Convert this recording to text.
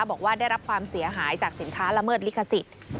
บอกว่าได้รับความเสียหายจากสินค้าละเมิดลิขสิทธิ์